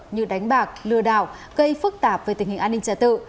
như đánh bạc lừa đảo gây phức tạp về tình hình an ninh trả tự